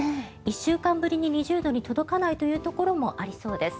１週間ぶりに２０度に届かないというところもありそうです。